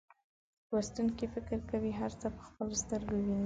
لوستونکي فکر کوي هر څه په خپلو سترګو ویني.